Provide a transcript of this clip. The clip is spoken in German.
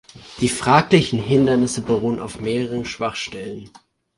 Die fraglichen Hindernisse beruhen auf mehreren Schwachstellen.